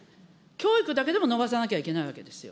教育だけでも伸ばさなきゃいけないわけですよ。